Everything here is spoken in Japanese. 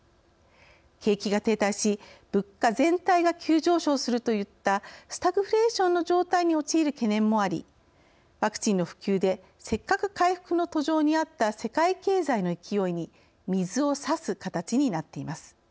景気が停滞し物価全体が急上昇するといった「スタグフレーション」の状態に陥る懸念もありワクチンの普及でせっかく回復の途上にあった世界経済の勢いに水を差す形になっています。